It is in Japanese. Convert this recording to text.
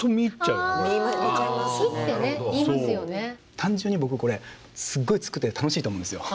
単純に僕これすごい作ってて楽しいと思うんですよ。